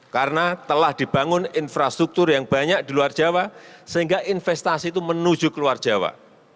karena telah dibangun infrastruktur yang banyak di luar jawa sehingga investasi itu menuju ke luar jawa